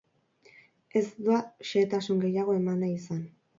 Ez du xehetasun gehiago eman nahi izan.